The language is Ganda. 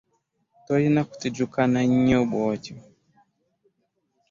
Tolina kutijjukana nnyo bw'otyo.